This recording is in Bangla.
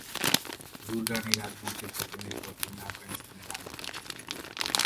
দুররানি রাজবংশের পতনের পর তিনি আফগানিস্তানের আমির হন।